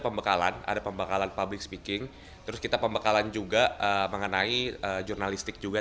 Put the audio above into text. pembekalan ada pembekalan public speaking terus kita pembekalan juga mengenai jurnalistik juga